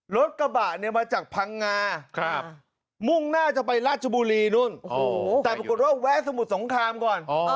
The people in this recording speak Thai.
รถกระบะเนี่ยมาจากพังงามุ่งหน้าจะไปราชบุรีนู่นแต่ปรากฏว่าแวะสมุทรสงครามก่อน